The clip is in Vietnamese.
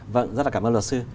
vâng rất là cảm ơn luật sư